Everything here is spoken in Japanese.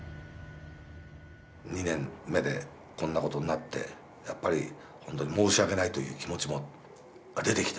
２年目でこんなことになってやっぱりほんとに申し訳ないという気持ちも出てきてね。